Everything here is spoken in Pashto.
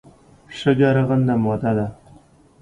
شګه رغنده ماده ده.